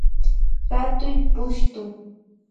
Hatuy pushtu